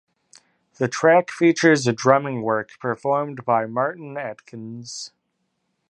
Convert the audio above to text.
The track features a drumming work performed by Martin Atkins.